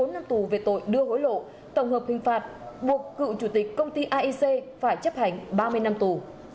một mươi bốn năm tù về tội đưa hối lộ tổng hợp hình phạt buộc cựu chủ tịch công ty aec phải chấp hành ba mươi năm tù